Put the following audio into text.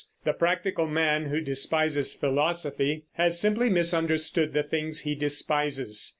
The practical man who despises philosophy has simply misunderstood the thing he despises.